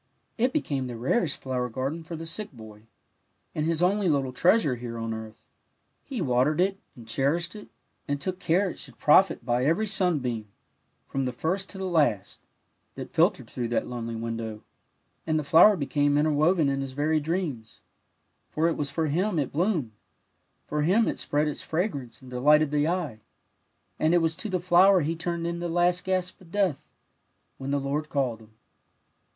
It became the rarest flower garden for the sick boy, and his only little treasure here on earth; he watered it, and cherished it, and took care it should profit by every sunbeam, from the first to the last, that filtered through that lonely window, and the flower became interwoven in his very dreams; for it was for him it bloomed; for him it spread its fragrance and delighted the eye, and it was to the flower he turned in the last gasp of death, when the Lord called him.